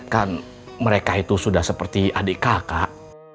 kan mereka itu sudah seperti adik kakak